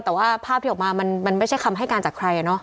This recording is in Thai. แต่ว่าภาพที่ออกมามันไม่ใช่คำให้การจากใคร